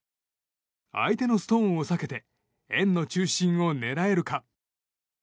相手のストーンを避けて円の中心を狙えるか。